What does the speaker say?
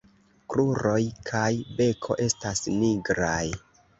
Kruroj kaj beko estas nigraj.